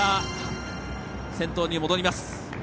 先頭に戻ります。